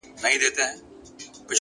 د عمل دوام نتیجه تضمینوي؛